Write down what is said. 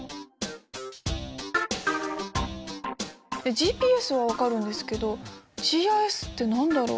ＧＰＳは分かるんですけどＧＩＳって何だろう？